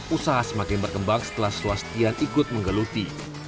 usaha semakin berkembang setelah swastian ikut menggeluti